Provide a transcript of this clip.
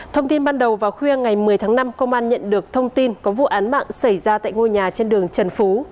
thông tin ban đầu vào khuya ngày một mươi tháng năm công an nhận được thông tin có vụ án mạng xảy ra tại ngôi nhà trên đường trần phú